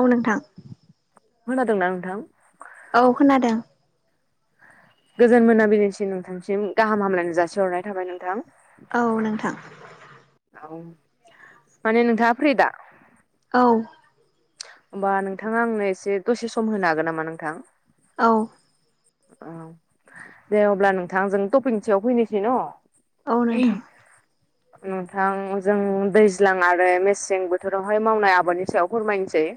औ नोंथां खोनादोंना नोंथां? औ खोनादों गोजोन मोनाबिलिसिम नोंथांसिम गाहाम हामलायनो जासिहरनाय थाबाय नोंथां औ नोंथां औ माने नोंथा फ्रिदा? औ होमबा नोंथाङा आंनो एसे दसे सम होनो हागोन नामा नोंथां? औ औ दे अब्ला नोंथां जों टपिकनि सयाव फैनोसै न'? औ नोंथां नोंथां जों दैज्लां आरो मेसें बोथोरावहाय मावनाय आबादनि सायाव फोरमायनोसै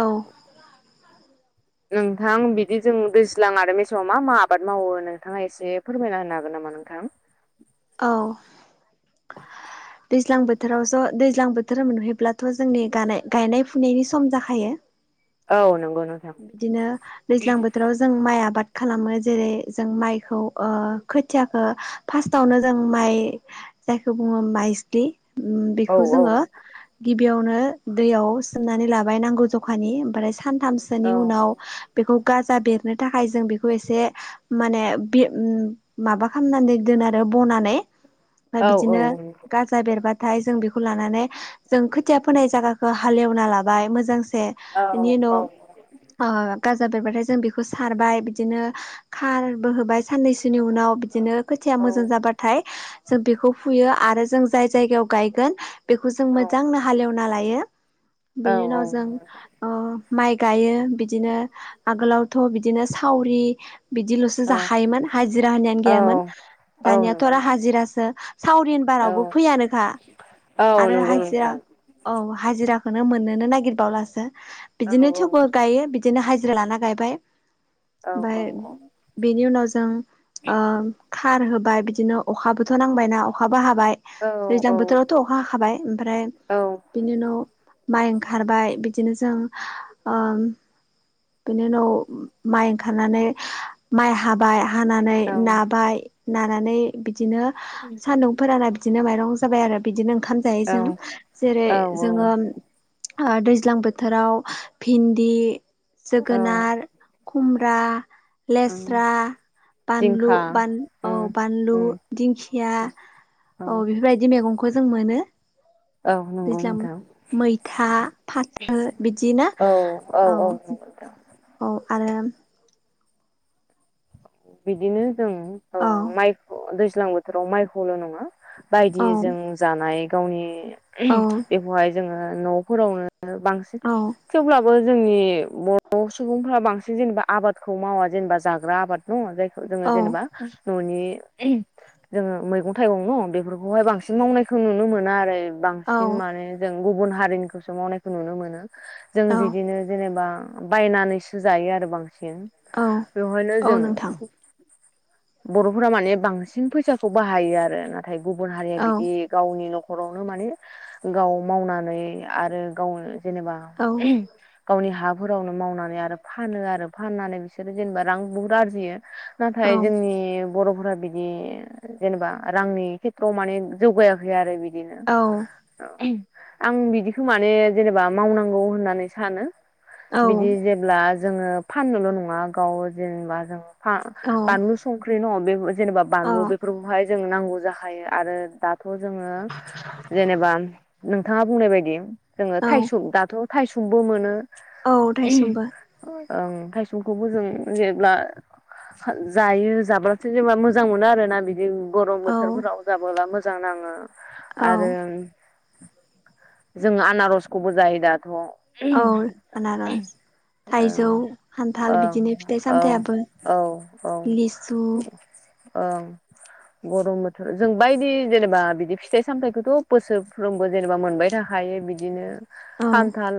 औ नोंथां बिदि जों दैज्लां आरो मेसेङाव मा मा आबाद मावो नोंथाङा एसे फोरमायना होनो हागोन नामा? ना नोंथां औ दैज्लां बोथोराव ज' दैज्लां बोथोर मोनहैब्लाथ' जोंनि गानाय- गायनाय फुनायनि सम जाखायो औ नंगौ नोंथां बिदिनो दैज्लां बोथोराव जों माइ आबाद खालामो जेरै जों माइखौ ओ खोथियाखो फार्स्टआवनो जों माइ जायखौ बुङो माइजिलि ओम औ बेखौ औ जोङो गिबियावनो दैयाव सोमनानै लाबाय नांगौ जखानि ओमफ्राय सानथाम सोनि औ उनाव बेखौ गाजा बेरनो थाखाय जों बेखौ एसे माने बे माबा खालामनानै दोन आरो बनानै ओमफ्राय औ बिदिनो गाजा बेरबा नाथाय जों बेखौ लानानै जों खोथिया फोनाय जागाखौ हालेवना लाबाय मोजां बेनि औ औ उनाव ओ गाजा बेरबाथाय जों बेखौ सारबाय बिदिनो खारबो होबाय साननैसोनि उनाव बिदिनो बिनो खोथिया औ मोजां जाबाथाय जों बेखौ फुयो आरो जों जाय जायगायाव गायगोन बेखौ जों औ मोजांनो हालएवना लायो औ बेनि उनाव जों नंगौ नोंथां। ओ माइ गायो बिदिनो आगोलावथ' बिदिनो सावरि बिदिल'सो औ जाखायोमोन हाजिरा होननायानो गैयामोन औ औ दानियाथ' नंगौ आरो नोंथां हाजिरासो सावरि होनबा औ रावबो फोयानोखा फैयानोखा औ आरो नंगौ हाजिरा नोंथां औ हाजिरा खौनो मोननोनो नागिरबावलासो औ बिदिनो औ थेवबो बिदिनो हाजिरा लाना गायबाय औ औ ओमफ्राय बेनि उनाव जों खार होबाय बिदिनो अखाबोथ' नांबायना अखा अखा हाबाय औ औ दैज्लां बोथोरावथ' अखा हाखाबाय ओमफ्राय बिनि उनाव माइ ओंखारबाय बिदिनो जों बेनि उनाव माइ ओंखारनानै माइ हाबाय हानानै नाबाय नानानै बिदिनो सान्दुं फोराना बिदिनो माइरं जाबाय आरो बिदिनो ओंखाम जायो जों जेरै औ जोङो दैज्लां बोथोराव भिन्दि औ जोगोनार कुम्रा ओं लेस्रा बानलु जिंखा ब औ उम बानलु उम दिंखिया औ बेफोरबायदि मैगं खौ जों मोनो औ नंगौ दैज्ला नोंथां मैथा फाथो बिदि ना? औ औ औ औ नंगौ नोंथां [unintelligible] बिदिनो जों औ माइ दैज्लां बोथोराव माइखौल' नङा। बायदि औ जों जानाय गावनि औ बेखौहाय जोङो न'फोरावनो बांसिन औ थेवब्लाबो बो जोंनि बर' सुबुंफ्रा बांसिन जेनेबा आबादखौ मावा जेनेबा जाग्रा आबाद दङ जाय जोङो जेनेबा न'नि जोङो मैगं थाइगं न बेफोरखौहाय बांसिन मावनायखौ नुनो मोना आरो। बांसिन औ माने जों गुबुन हारिनिखौसो मावनायखौ नुनो मोनो जों औ बिदिनो जेनेबा बायनानैसो जायो आरो बांसिन औ बेवहायनो औ जों नोंथां बर'फोरा माने बांसिन फैसाखौ बाहायो आरो ना। नाथाय गुबुन हारिया औ बिदि गावनि नखर हरावनो माने गाव मावनानै आरो गावनो जेनेबा औ गावनि हा हारावनो मावनानै आरो फानो आरो फाननानै बिसोरो जेनेबा रां बुहुद आरजियो। औ नाथाय जोंनि बर'फोरा बिदि जेनेबा रांनि खेथ्रआव माने जौगायाखै आरो बि बिदिनो औ औ आं बिदिखौ माने जेनेबा मावनांगौ होननानै सानो औ अ बिदि जेब्ला जोङो फाननोल' नङा गाव जेनेबा जों बानलु संख्रि नङा बे जेनेबा बानलु बेफोरखौहाय जों नांगौ जाखायो आरो जोङो जेनेबा नोंथाङा बुंनाय बायदि जोङो औ थायसुम दाथ' थायसुम खौबो मोनोओ औ थायसुमबो थाइसुमखौबो जों जेब्ला जायो जाब्लाथो जेनबा मोजां मोनो आरोना बिदि गरम औ बोथोरफोराव जाबोब्ला मोजां मोजां नाङो आरो औ जोंङो आनारसखौबो जायो दाथ'। औ आनारस थाइजौ खान्थाल औ बिदिनो फिथाइ औ औ सामथायाइयाबो औ औ लिसु औ गरम बोथोर जों बायदि जेनेबा बिदि फिथाइ सामथायाइखौथ' बोसोरफ्रोमबो जेनेबा मोनबाय थाखायो। थायो बिदिनो औ खान्थाल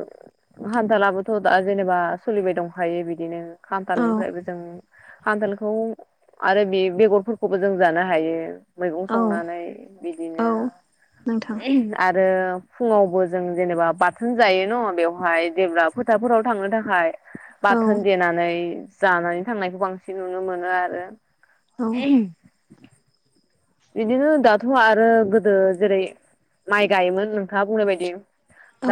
खान्थालाबोथ' दा जेनेबा सोलिबाय दंखायो बिदिनो औ खामथालनिफ्रायबो जों खान्थालखौ आरो बे बेगरफोरखौबो जों जानो हायो। मैगं औ संनानै औ बिदिनो नोंथां आरो फुङावबो जों जेनेबा बाथोन जायो न बेवहाय जेब्ला फोथारफोराव थांनो थाखाय औ बाथोन देनानै जानानै थांनायखौ बांसिन नुनो मोनो आरो। औ ए बिदिनो दाथ' आरो गोदो जेरै माइ गायोमोन नोंथाङा बुंनाय बायदि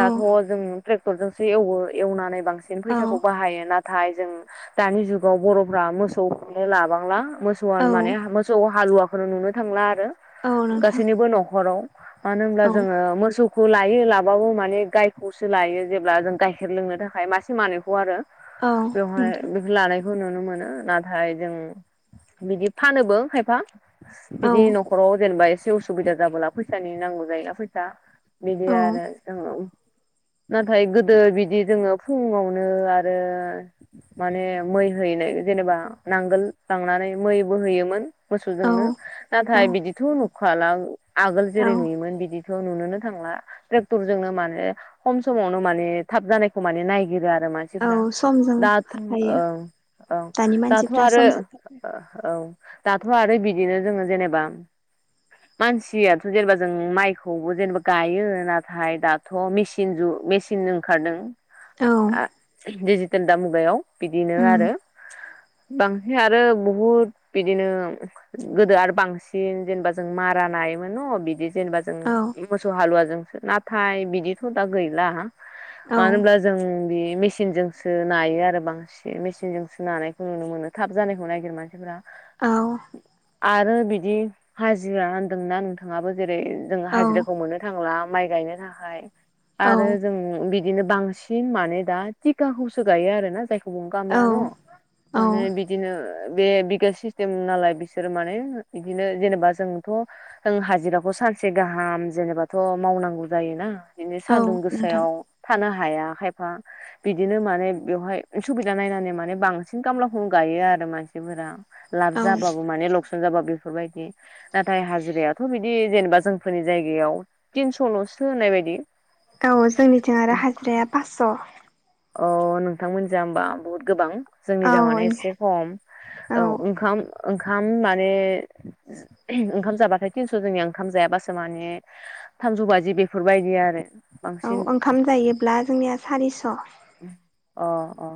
औ जों ट्रेक्टरजोंसो एवो एवनानै बांसिन औ फैसाखौ बाहायो नाथाय जों दानि जुगाव बर'फ्रा मोसौलाय लाबांला। मोसौआ औ माने मोसौ हालुवाखौनो नुनो थांला औ नोंथां गासैनिबो नखराव' मानो औ होमबा मोसौ लायो माबाबो माने गायखौसो लायो जेब्ला जों गाइखेर लोंनो थाखाय मासे मानैखौ आरो औ बेवहाय नोंथां लानाय खौ नुनो मोनो नाथाय जों बिदि फानोबो खायफा औ बिदि न'खराव जेनेबा एसे उसुबिदा जाबोला फैसानि नांगौ जायोना फैसा बिदि औ आरो जोङो नाथाय गोदो बिदि जोङो फुङावनो आरो माने मै हैनाय जेनेबा नांगोल लांनानै मै बो होयोमोन मोसौ औ नाथाय औ बिदिथ' नुखाला आगोल जेरै औ नुयोमोन बिदि थ' नुनोनो थांला ट्रेक्टर जोंनो माने खम समावनो माने थाब जानायखौ माने नायगिरो औ मानसिफ्रा समजों दाथ' औ खारफायो औ दानि दाथ' मानसिफ्रा आरो समजों खारफायो औ दाथ' आरो बिदिनो जोङो जेनेबा मानसियाथ' जेनेबा जों माइखौबो जेनेबा गायो नाथाय दाथ' मेचिन जुग मेचिन ओंखारदों औ दिडिजिटेल दा मुगायाव बिदिनो उम आरो बांसिन आरो बहुद बिदिनो गोदो आरो बांसिन जेनेबा जों मारा नायोमोन न बिदि जेनेबा जों औ मोसौ हालुवा नाथाय बिदिथ' दा गैला औ मानो होनब्ला जों बे मेसिनजोंसो नायो आरो बांसिन मेसिनजोंसो नानायखौ नुनो मोनो थाब जानायखौ नायगिरो मानसिफ्रा औ आरो बिदि हाजिरा होनदोंना नोंथाङाबो जेरै जोङो औ हाजिराखौ मोननो थांला माइ गायनो थाखाय औ आरो जों बि दिनो बांसिन माने दा थिकाखौसो गायो आरो ना जाय खौ गामला न' औ औ माने बिदिनो बे बिगा सिस्टेम नालाय बि बिसोर माने बिदिनो जेनेबा जोंथ' हाजिराखौ सानसे गाहाम जेनेबाथ' मावनांगौ जायो ना बिनि औ सान्दुं नोंथां गोसायाव थानो हा हाया खायफा बिदिनो माने बेवहाय सुबिदा नायनानै माने बांसिन खामलाखौ गायो आरो मानसिफोरा लाब औ जाबा लकसन जाबाबो बेफोर बादि नाथाय हाजिरायाथ' बेदि जेनबा जों फोरनि जायगायाव तिनस' ल'सो होननाय बायदि औ जोंनिथिं आरो हाजिराया पासस' अ नोंथांमोनजा होमबा बहुत गोबां जोंनिजा माने एसे खम औ ओंखाम ओंखाम माने ओंखाम जाबाथाय थिनस' जोंनिया ओंखाम जायाबासो माने थामजौ बाजि बेफोरबायदि आरो औ बांसिन ओंखाम जायोब्ला जोंनिया सारिस' अ अ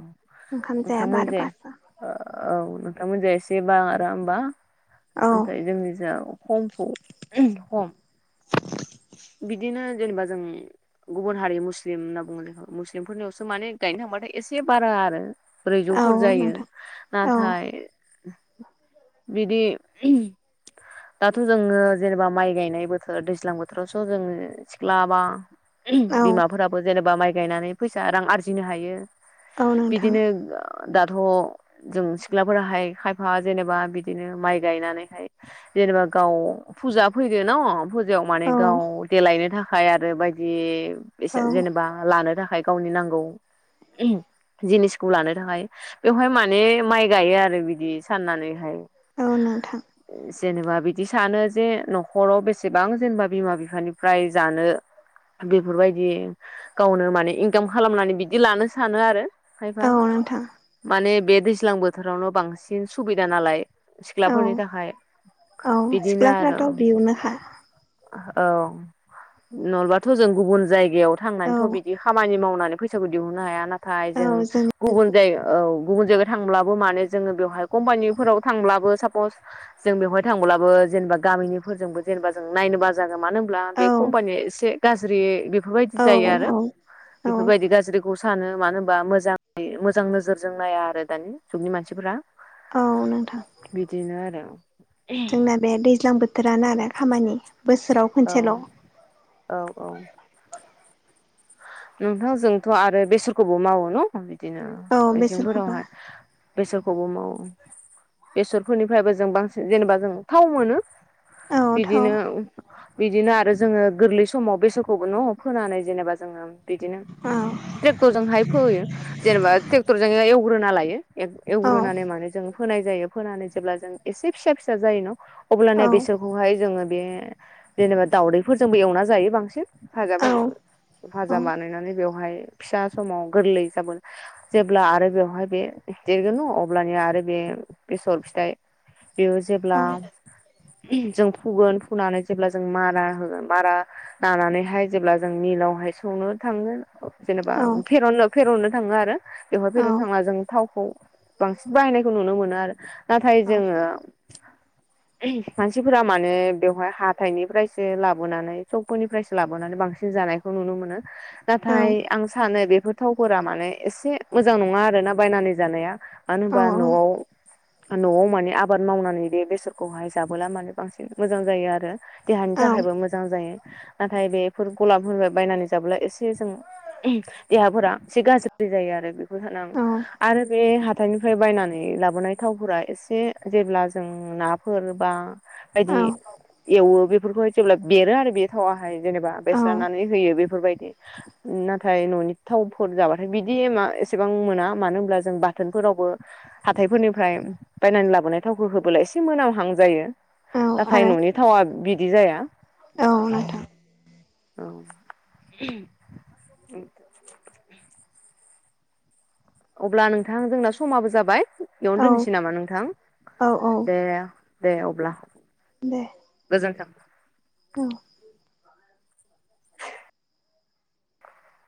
ओंखाम जायाबा नोंथांमोननि आरो थिं पासस' अ औ नोंथांमोनजों एसे बारा होनबा औ ओमफ्राय जोंनि जा खमखौ खम बिदिनो जेनेबा जों गुबुन हारि मुस्लिम होनना बुङो जों मुस्लिमफोरनियावसो माने गाय नो थांबाथाय एसे बारा आरो ब्रैजौफोर औ जायो नोंथां औ नाथाय बिदि दाथ' जोङो जेनेबा माइ गायनाय बोथोर दैज्लां बो थोरावसो जों सिख्ला बा औ बिमाफोराबो जेनेबा माइ गायनानै फैसा रां आरजिनो हायो औ नोंथां बिदिनो दाथ' जों सिख्लाफोराहाय खायफा जेनेबा बिदिनो माइ गायनानैहाय जेनेबा गाव फुजा फैदो न फुजायाव माने औ गाव देलायनो थाखाय आरो बायदि एसे औ जेनेबा लानो थाखाय गावनि नांगौ। ओम जिनिसखौ लानो थाखाय बेवहाय माने माइ गायो आरो बिदि साननानैहाय। औ नोंथां जेनेबा बिदि सानो जे न'खराव बेसेबां जेनेबा बिमा बिफानिफ्राय जानो। बेफोरबायदि गावनो माने इनकाम खालामनानै बिदि लानो सानो आरो खायफा औ नोंथां माने बे दैज्लां बोथोरावनो बांसिन सुबिदा नालाय। औ सिख्लाफोरनि थाखाय औ बिदिनो आरो सिख्लाफ्राथ' बियावनोखा औ नलबाथ' जों गुबुन जायगायाव औ थांनानैथ' बिदि खामानि मावनानै फैसाखौ दिहुननो हाया नाथाय जों गुबुन जायगा औ गुबुन जायगायाव थांब्लाबो माने जोङो बेवहाय कम्पानिफोराव थांब्लाबो सापस जों बेवहाय थां ब्लाबो जेनेबा गामिनिफोरजोंबो जेनेबा जों नायनो बा जागोन मानो होनब्ला औ बे कम्पानिया एसे गाज्रि बेफोरबायदि औ जायो आरो औ बेफोरबायदि गाज्रिखौ सानो मानो होनबा मोजां मोजां नोजोरजों नाया आरो दानि जुगनि मानसिफोरा। नंगौ नोंथां। बिदिनो आरो जोंना बे दैज्लां बोथोरानो आरो खामानि बोसोराव औ खनसेल' औ औ नोंथां जोंथ' आरो बेसरखौबो मावो न बिदिनो औ बेसोरखौबा मेसेंफोरावहाय। बेसरखौबो मावो बेसरफोरनिफ्रायबो जों बांसिन जेनेबा जों थाव मोनो। औ थाव बिदिनो बिदिनो आरो जोङो गोरलै समाव बेसरखौ न' फोनानै जेनेबा जोङो बिदिनो औ ट्रेक्टरजोंहाय फोयो जेनेबा ट्रेक्टरजों एवग्रोना लायो औ एवग्रोनानै माने जों फोनाय जायो फोनानै जेब्ला जों एसे फिसा फिसा जायो न औ अब्लानिया बेसोरखौहाय जोङो बे जेनेबा दाउदैफोरजोंबो एवना जायो बांसिन औ भाजाफोरजों भाजा औ एवनानै बेवहाय फिसा समाव गोरलै जाबोन जेब्ला आरो बेवहाय बे देरगोन न अब्लानिया आरो बे बेसर फिथाइ बेयो जेब्ला औ जों फुगोन फुनानै जेब्ला जों मारा होगोन मारा लानानैहाय जेब्ला जों मिलावहाय सौ सौनो थाङो जेनेबा औ फेरनो फेरननो थाङो आरो बेवहाय औ औ फेरननो थांना जों थावखौ बांसिन बाहायनायखौ नुनो मोनो आरो नाथाय औ जोङो ओम मानसिफोरा माने बेवहाय हाथायनिफ्रायसो लाबोनानै सबफोरनिफ्रायसो लाबोनानै बां सिन जानायखौ नुनो मोनो औ नाथाय आं सानो बेफोर थावफोरा माने एसे मोजां नङा आरोना बायनानै जानाया। औ मानो होनोबा न'आव न'आव माने आबाद मावनानै बे बेसरखौहाय जाबोला माने बांसिन मोजां जायो आरो देहानि थाखायबो मोजां जायो नाथाय बेफोर गलाबफोर बायनानै जाब्ला एसे जों ओम देहाफोरा एसे गाज्रि जायो आरो बेखौ [unintelligible] आरो बे हा थायनिफ्राय बायनानै लाबोनाय थावफोरा एसे जेब्ला जों नाफोर बा बायदि एवो बेफोरखौहाय जेब्ला बेरो आरो बे थावाहाय जेनेबा बेस्रनानै होयो बे बेफोरबायदि नाथाय न'नि थावफोर जाबाथाय बिदि मा एसेबां मोना मानो होनब्ला जों बाहाय बाथोनफोरावबो हाथायफोरनिफ्राय बायनानै लाबोनाय थावखौ होबोला एसे मोनामहां जायो। औ नाथाय आरो न'नि थावा बिदि जाया। औ नोंथां औ [unintelligible] अब्ला नोंथां जोंना समाबो जाबाय बेयावनो औ दोननोसै नामा नोंथां औ औ दे दे अब्ला दे गोजोनथों। औ